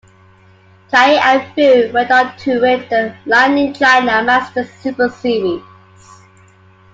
Cai and Fu went on to win the Li-Ning China Masters Super Series.